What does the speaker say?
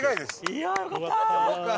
いやあよかった！